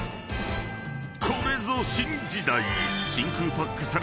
［これぞ新時代］